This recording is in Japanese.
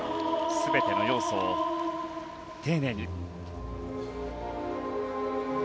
全ての要素を丁寧に。